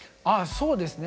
そうですね